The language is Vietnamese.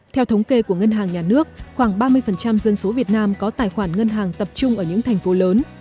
theo thống kê của ngân hàng nhà nước khoảng ba mươi dân số việt nam có tài khoản ngân hàng tập trung ở những thành phố lớn